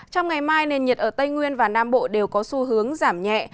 trong ngày mai nền nhiệt ở tây nguyên và nam bộ đều có xu hướng giảm nhẹ